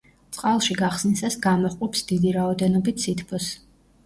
წყალში გახსნისას გამოჰყოფს დიდი რაოდენობით სითბოს.